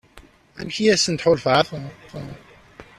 Amek i asent-tḥulfaḍ?